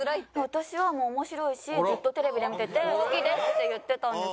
私はもう面白いしずっとテレビで見てて好きですって言ってたんです。